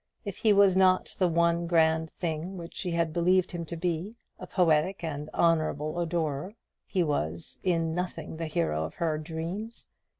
If he was not the one grand thing which she had believed him to be a poetic and honourable adorer he was in nothing the hero of her dreams.